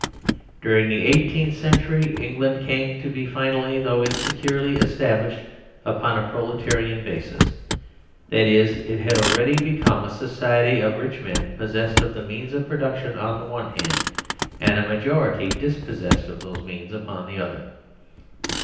During the eighteenth century Eng land came to be finally, though insecurely, establish ed upon a proletarian basis, that is, it had already be come a society of rich men possessed of the means of production on the one hand, and a majority dis possessed of those means upon the other.